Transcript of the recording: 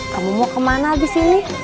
kamu mau kemana disini